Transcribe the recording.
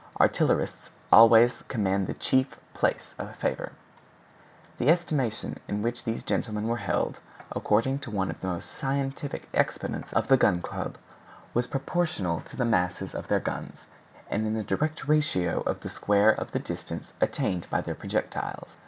Artillerists always commanded the chief place of favor. The estimation in which these gentlemen were held, according to one of the most scientific exponents of the Gun Club, was "proportional to the masses of their guns, and in the direct ratio of the square of the distances attained by their projectiles."